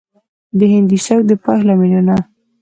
د هندي سبک د پايښت لاملونه